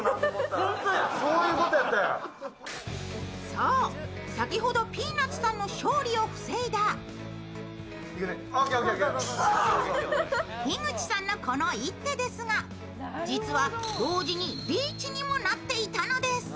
そう、先ほどピーナツさんの勝利を防いだ樋口さんのこの一手ですが実は同時にリーチにもなっていたのです。